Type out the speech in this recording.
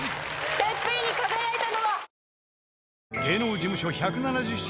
ＴＥＰＰＥＮに輝いたのは？